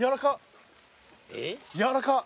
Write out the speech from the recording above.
やわらか！